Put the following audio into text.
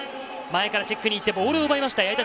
前からチェックに行ってボールを奪いました。